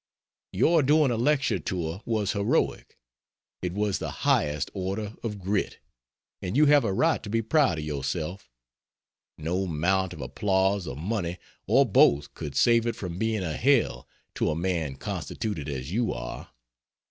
Your doing a lecture tour was heroic. It was the highest order of grit, and you have a right to be proud of yourself. No mount of applause or money or both could save it from being a hell to a man constituted as you are.